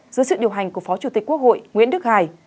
dưới sự điều hành của phó chủ tịch quốc hội nguyễn đức hải